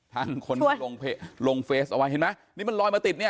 ท่านคนลงเฟซเอาไว้เห็นมั้ยนี่มันลอยมาติดเนี่ย